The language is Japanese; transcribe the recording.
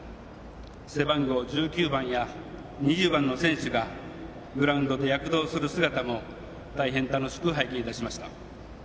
背番号１９番や２０番の選手がグラウンドで躍動する姿も大変楽しく拝見しました。